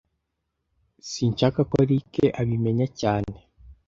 Sinshaka ko Eric abimenya cyane